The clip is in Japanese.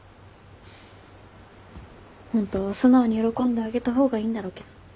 本当は素直に喜んであげた方がいいんだろうけど。